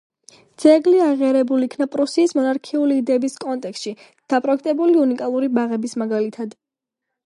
ძეგლი აღიარებულ იქნა პრუსიის მონარქიული იდეების კონტექსტში დაპროექტებული უნიკალური ბაღების მაგალითად.